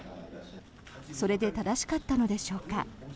それで正しかったのでしょうか。